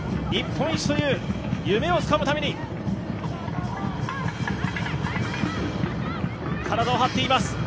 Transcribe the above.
日本一という夢をつかむために体を張っています